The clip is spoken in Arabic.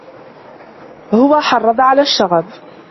هو حرض على الشغب.